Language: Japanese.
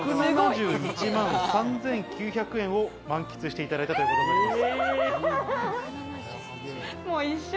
この１時間で１７１万３９００円を満喫していただいたということになります。